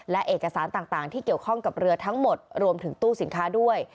และเอกสารต่างที่เกี่ยวข้องกับเรือทั้งหมดรวมถึงตู้สินค้าด้วย